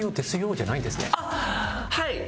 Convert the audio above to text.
はい。